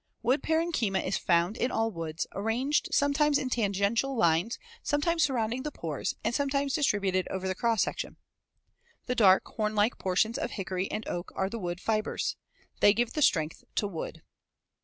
Wood parenchyma is found in all woods, arranged sometimes in tangential lines, sometimes surrounding the pores and sometimes distributed over the cross section. The dark, horn like portions of hickory and oak are the woodfibers. They give the strength to wood.